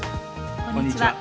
こんにちは。